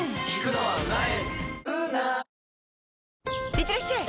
いってらっしゃい！